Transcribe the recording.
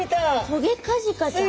トゲカジカちゃん？